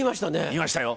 言いましたよ。